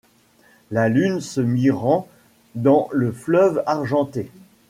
La lune se mirant dans le fleuve argenté…